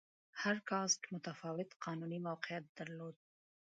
هر کاسټ متفاوت قانوني موقعیت درلود.